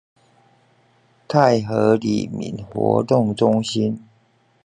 泰和里民活動中心